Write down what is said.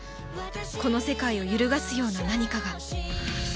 この世界を揺るがすような何かが